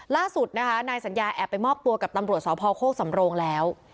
ล่าสุดนะคะนายสัญญาแอบไปมอบตัวกับตำรวจสพโคกสำโรงแล้ว